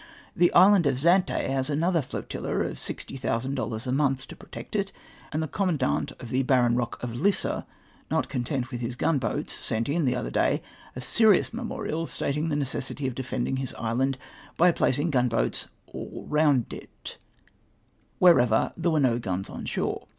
The island of Zante has another flotilla of 60,000 dollars a month to pro tect it, and the commandant of the barren rock of Lissa — not content with his gunboats — sent in, the other day, a serious memorial, stating the necessity of defending his island, by placing gunboats all round it, wherever there were no guns on shore